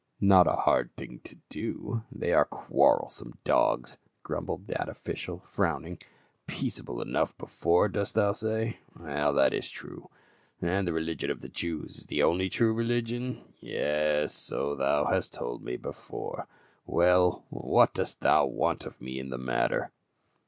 Not a hard thing to do ; they are quarrelsome dogs," grumbled that official frowning. " Peaceable enough before, dost thou say ? That is true ; and the religion of the Jews is the only true religion ? yes — so thou hast told me before. Well, and what dost thou want of me in the matter?"